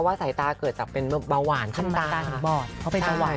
ว่าสายตาเกิดจากเป็นเบาหวานข้างตา